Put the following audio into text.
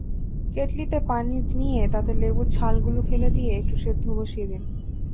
কেটলিতে পানি নিয়ে তাতে লেবুর ছালগুলো ফেলে একটু সেদ্ধ বসিয়ে দিন।